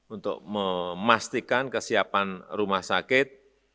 untuk memastikan kesiapan rumah sakit